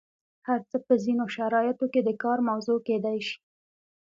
هر څه په ځینو شرایطو کې د کار موضوع کیدای شي.